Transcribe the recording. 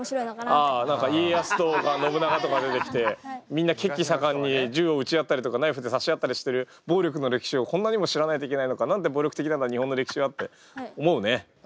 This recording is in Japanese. ああ何か家康とか信長とか出てきてみんな血気盛んに銃を撃ち合ったりとかナイフで刺し合ったりしてる暴力の歴史をこんなにも知らないといけないのか何で暴力的なんだ日本の歴史はって思うね。